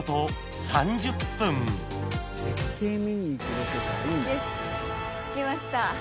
よし着きました。